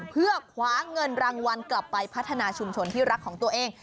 เพื่อคว้าเงินรางวัลกลับไปพัฒนาชุมชนที่รักของตัวเอง